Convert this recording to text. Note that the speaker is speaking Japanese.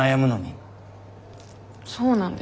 そうなんです。